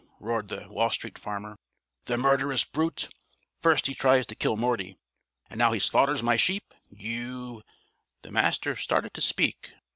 roared the Wall Street Farmer. "The murderous brute! First, he tries to kill Morty. And now he slaughters my sheep. You " The Master started to speak.